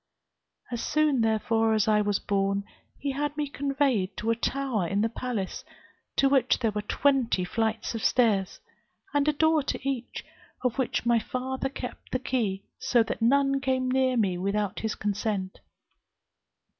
As soon therefore as I was born, he had me conveyed to a tower in the palace, to which there were twenty flights of stairs, and a door to each, of which my father kept the key, so that none came near me without his consent.